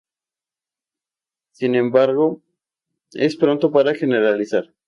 Sin embargo, es pronto para generalizar.